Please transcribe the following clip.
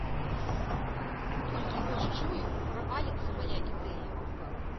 Толькі вось, чую, праваліцца мая ідэя.